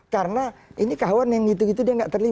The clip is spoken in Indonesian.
karena ini kawan yang gitu gitu dia gak terlibat